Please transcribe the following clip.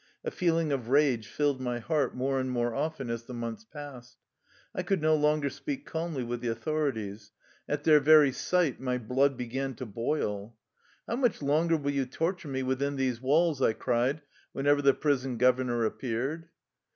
A feeling of rage filled my heart more and more often as the months passed. I could no longer speak calmly with the authori ties. At their very sight my blood began to boil. 86 THE LIFE STOEY OF A EUSSIAN EXILE " How much longer will you torture me within these walls?" I cried whenever the prison gov ernor appeared.